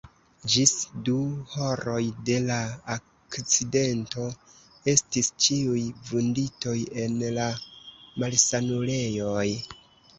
Ĝis du horoj de la akcidento estis ĉiuj vunditoj en la malsanulejoj.